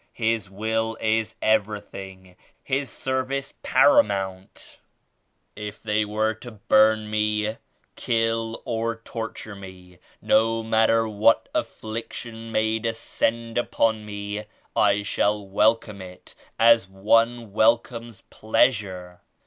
His Will is everything; His service paramount. If they were to burn me, 48 kill or torture me; — no matter what affliction may descend upon me, I shall welcome it as one welcomes pleasure.